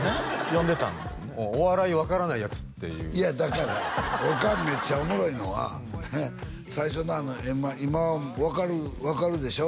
呼んでたもうお笑い分からないヤツっていういやだからおかんめっちゃおもろいのは最初のあのＭ−１今分かるでしょ？